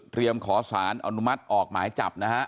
ขอสารอนุมัติออกหมายจับนะฮะ